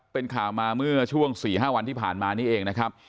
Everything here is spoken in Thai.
เป็นข่าวมาเมื่อช่วง๔๕วันที่ผ่านมานี้เองนะครับ